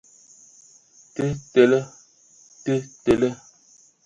Tə tele! Tə tele.